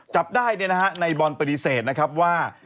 จับได้เนี่ยนะฮะนายบอลปฏิเสธนะครับว่า